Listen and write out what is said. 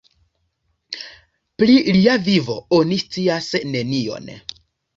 Pri lia vivo oni scias nenion.